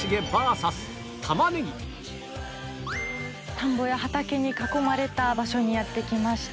田んぼや畑に囲まれた場所にやって来ました。